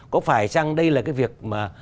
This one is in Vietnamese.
có phải rằng đây là cái việc mà